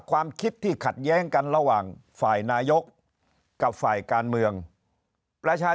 ความคิดที่ขัดแย้งกันระหว่างฝ่ายนายกกับฝ่ายการเมืองประชาชน